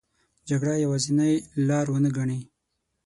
جګړه یوازینې لار ونه ګڼي.